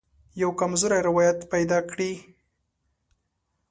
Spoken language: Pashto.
یوه کمزوری روایت پیدا کړي.